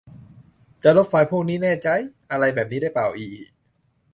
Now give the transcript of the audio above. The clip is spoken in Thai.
"จะลบไฟล์พวกนี้ แน่ใจ๊ ?" อะไรแบบนี้ได้ป่ะ อิอิ